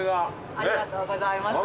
ありがとうございます。